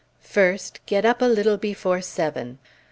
First, get up a little before seven.